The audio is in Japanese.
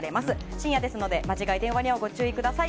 深夜ですので間違い電話にはご注意ください。